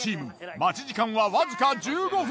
待ち時間はわずか１５分！